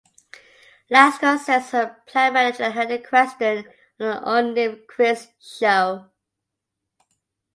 Lasker says her plant manager heard the question on an unnamed quiz show.